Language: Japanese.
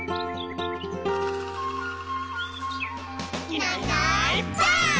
「いないいないばあっ！」